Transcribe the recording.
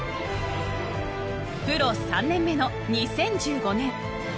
プロ３年目の２０１５年。